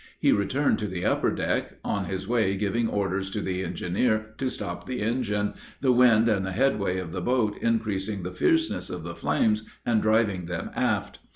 He returned to the upper deck, on his way giving orders to the engineer to stop the engine, the wind and the headway of the boat increasing the fierceness of the flames and driving them aft.